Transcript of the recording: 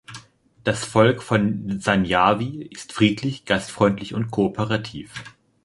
Das Volk von Sanjawi ist friedlich, gastfreundlich und kooperativ.